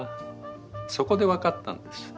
そこで分かったんです。